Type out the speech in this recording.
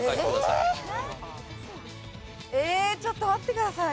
ええちょっと待ってください。